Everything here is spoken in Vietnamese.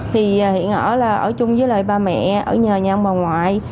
thì hiện ở là ở chung với lại ba mẹ ở nhà nhà ông bà ngoại